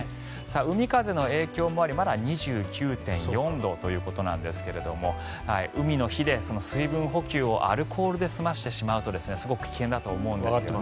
海風の影響もありまだ２９．４度ということなんですが海の日で水分補給をアルコールで済ませてしまうとすごく危険だと思うんですよね。